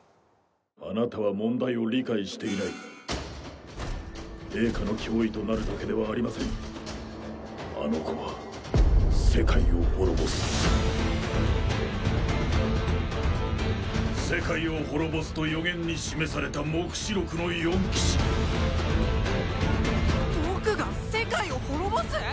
あなたは問題を理解していない陛下の脅威となるだけではありませんあの子は世界を滅ぼす世界を滅ぼすと予言に示された黙示録の四騎士僕が世界を滅ぼす！？